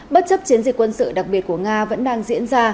bất chấp chiến dịch quân sự đặc biệt của nga vẫn đang diễn ra